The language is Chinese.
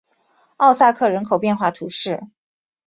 奥萨克人口变化图示